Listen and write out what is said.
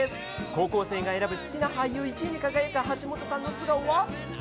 高校生が選ぶ好きな俳優１位に輝く橋本さんの素顔は。